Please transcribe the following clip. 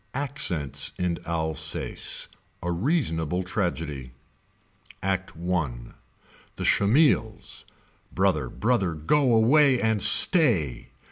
ACCENTS IN ALSACE. A REASONABLE TRAGEDY. Act I. The Schemils. Brother brother go away and stay.